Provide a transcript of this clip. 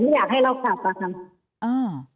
อยากให้เรากลับอะค่ะ